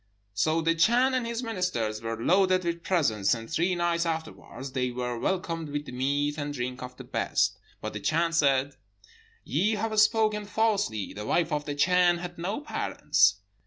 "So the Chan and his ministers were loaded with presents, and three nights afterwards they were welcomed with meat and drink of the best. But the Chan said, 'Ye have spoken falsely, the wife of the Chan had no parents.'